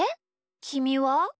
きみは？